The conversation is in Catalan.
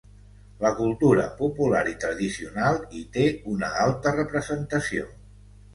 La cultura popular i tradicional hi té una alta representació.